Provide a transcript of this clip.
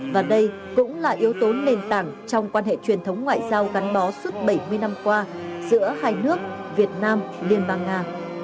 và đây cũng là yếu tố nền tảng trong quan hệ truyền thống ngoại giao gắn bó suốt bảy mươi năm qua giữa hai nước việt nam liên bang nga